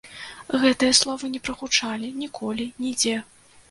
Гэтыя словы не прагучалі ніколі, нідзе.